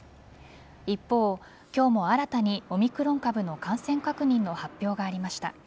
一方、今日も新たにオミクロン株の感染確認の発表がありました。